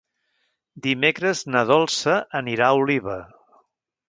Dimecres na Dolça anirà a Oliva.